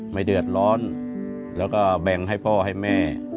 ไม่เดือดร้อนแล้วก็แบ่งให้พ่อให้แม่